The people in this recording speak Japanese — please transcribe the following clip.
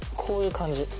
こういう感じ。